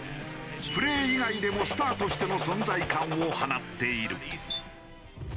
プレー以外でもスターとしての存在感を放っている。